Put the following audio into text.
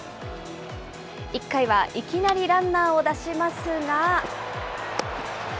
１回はいきなりランナーを出しますが。